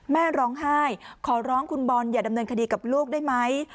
แม่ร้องไห้ขอร้องคุณบอลอย่าดำเนินคดีกับลูกได้ไหม